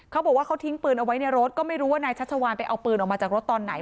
เขาบอกว่าเขาทิ้งปืนเอาไว้ในรถก็ไม่รู้ว่านายชัชวานไปเอาปืนออกมาจากรถตอนไหน